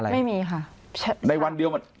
ไม่มีอะไรไม่มีค่ะ